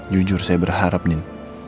jujur saya berharap din